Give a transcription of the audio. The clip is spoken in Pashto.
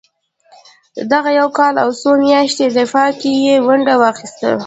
دغه یو کال او څو میاشتني دفاع کې یې ونډه واخیسته.